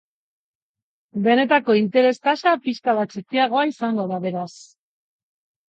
Benetako interes tasa pixka bat txikiagoa izango da beraz.